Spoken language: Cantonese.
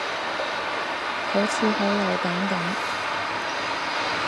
好似好老餅噉